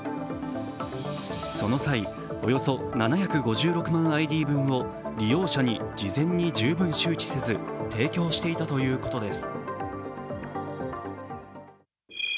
その際、およそ７５６万ＩＤ分を利用者に事前に十分周知せず提供していたということです。